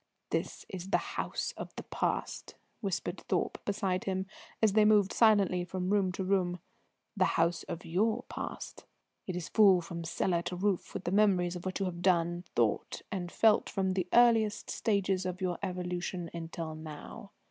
"This is the House of the Past," whispered Thorpe beside him, as they moved silently from room to room; "the house of your past. It is full from cellar to roof with the memories of what you have done, thought, and felt from the earliest stages of your evolution until now.